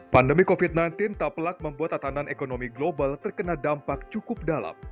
pandemi covid sembilan belas tak pelat membuat tatanan ekonomi global terkena dampak cukup dalam